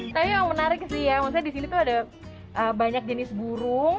tapi yang menarik sih ya maksudnya di sini tuh ada banyak jenis burung